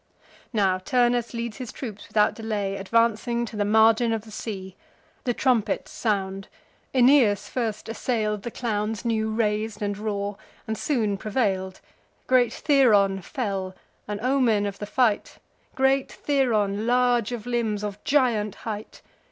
Now Turnus leads his troops without delay, Advancing to the margin of the sea. The trumpets sound: Aeneas first assail'd The clowns new rais'd and raw, and soon prevail'd. Great Theron fell, an omen of the fight; Great Theron, large of limbs, of giant height.